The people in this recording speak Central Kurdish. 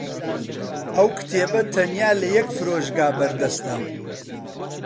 ئەو کتێبە تەنیا لە یەک فرۆشگا بەردەستە.